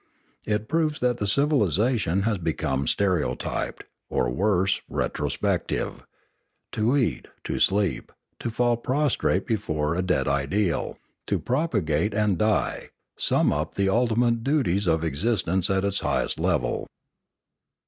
It proves that the civilisation has become stereotyped, or worse, retrospective; to eat, to sleep, to fall prostrate before a dead ideal, to propagate and die, sum up the ultimate duties of existence at its highest level.